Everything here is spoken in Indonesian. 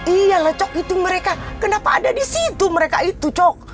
iya lah cok itu mereka kenapa ada di situ mereka itu cok